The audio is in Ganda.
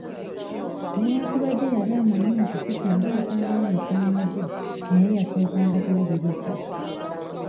Newankubadde yali amanyi nti sikyangu kusangayo mikwano gye naye yasookanga kulabiriza